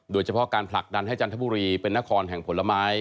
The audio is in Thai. โดยเฉพาะการผลักดันให้จันทบุรีเป็นนครแห่งผลไม้